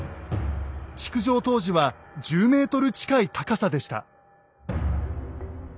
築城当時は１０ｍ近い高さでした。